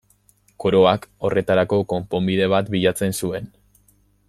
Koroak horretarako konponbide bat bilatzen zuen.